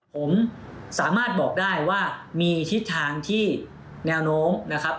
ผมสามารถบอกได้ว่ามีทิศทางที่แนวโน้มนะครับ